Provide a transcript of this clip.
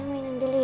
eyang minum dulu ya